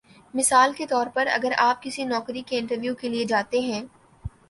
مثال کے طور پر اگر آپ کسی نوکری کے انٹرویو کے لیے جاتے ہیں